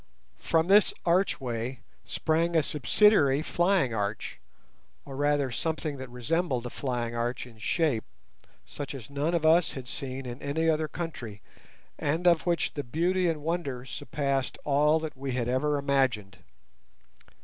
From this archway sprang a subsidiary flying arch, or rather something that resembled a flying arch in shape, such as none of us had seen in any other country, and of which the beauty and wonder surpassed all that we had ever imagined.